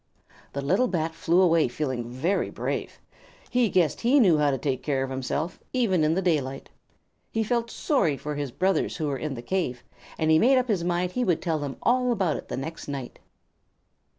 The little Bat flew away feeling very brave. He guessed he knew how to take care of himself, even in daylight. He felt sorry for his brothers who were in the cave, but he made up his mind that he would tell them all about it the next night.